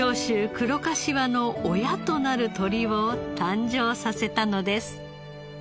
黒かしわの親となる鶏を誕生させたのです。